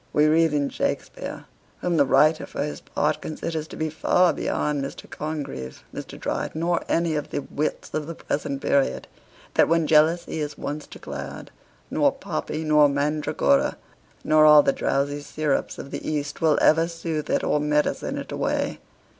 We read in Shakspeare (whom the writer for his part considers to be far beyond Mr. Congreve, Mr. Dryden, or any of the wits of the present period,) that when jealousy is once declared, nor poppy, nor mandragora, nor all the drowsy syrups of the East, will ever soothe it or medicine it away.